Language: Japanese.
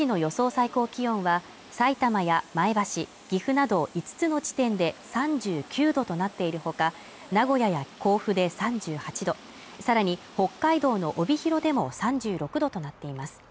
最高気温はさいたまや前橋、岐阜など５つの地点で３９度となっているほか名古屋や甲府で３８度さらに北海道の帯広でも３６度となっています